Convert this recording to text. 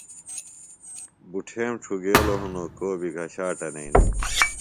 بُٹھیم ڇُھگیلوۡ ہِنوۡ کو بیۡ گھشاٹہ نئینہ۔